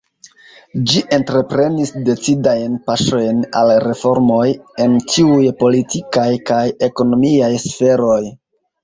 Ĝi entreprenis decidajn paŝojn al reformoj en ĉiuj politikaj kaj ekonomiaj sferoj.